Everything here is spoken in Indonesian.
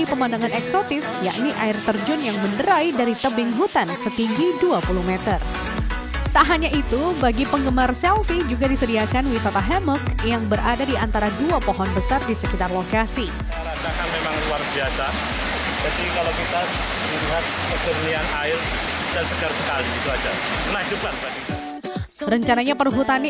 kondisi alam yang paling penting adalah kondisi alam yang kita ambil ke sebuah hal nanti kita akan juga